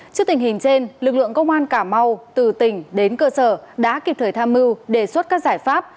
trước tình hình trên lực lượng công an cà mau từ tỉnh đến cơ sở đã kịp thời tham mưu đề xuất các giải pháp